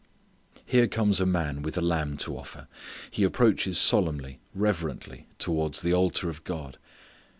Here comes a man with a lamb to offer. He approaches solemnly, reverently, towards the altar of God.